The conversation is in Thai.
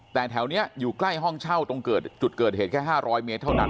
แต่แถวนี้อยู่ใกล้ห้องเช่าตรงจุดเกิดเหตุแค่๕๐๐เมตรเท่านั้น